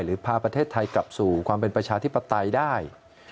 หรือพาประเทศไทยกลับสู่ความเป็นประชาธิปไตยได้